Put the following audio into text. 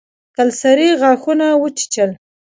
کلسري غاښونه وچيچل.